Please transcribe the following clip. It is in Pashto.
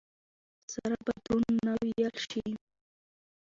سره به دروند نه وېل شي.